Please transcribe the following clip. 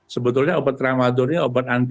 sebetulnya obat tramadol ini obat anti pandemi